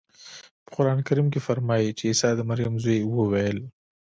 په قرانکریم کې فرمایي چې عیسی د مریم زوی وویل.